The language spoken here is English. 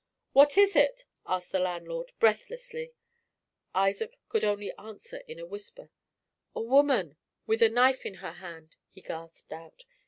"What is it?" asked the landlord, breathlessly. Isaac could only answer in a whisper. "A woman, with a knife in her hand," he gasped out.